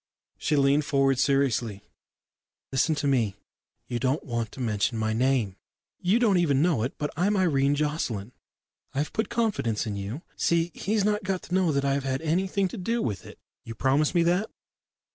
She leaned forward seriously. "Listen to me. You don't want to mention my name you don't even know it, but I'm Irene Jocelyn. I've put confidence in you. See, he's not got to know that I've had anything to do with it. You promise me that?"